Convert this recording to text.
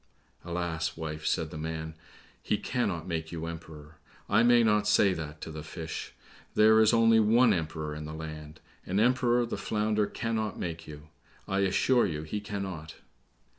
"Alas, wife," said the man, "he cannot make you Emperor; I may not say that to the fish. There is only one Emperor in the land. An Emperor the Flounder cannot make you! I assure you he cannot."